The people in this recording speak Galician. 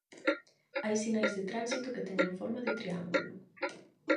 Hai sinais de tránsito que teñen forma de triángulo.